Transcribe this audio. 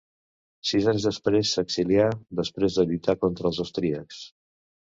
Sis anys després s'exilià després de lluitar contra els austríacs.